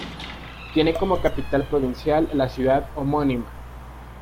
Tiene como capital provincial la ciudad homónima.